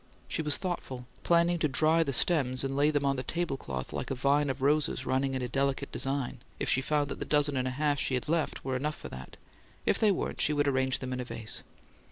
She was thoughtful; planning to dry the stems and lay them on the tablecloth like a vine of roses running in a delicate design, if she found that the dozen and a half she had left were enough for that. If they weren't she would arrange them in a vase.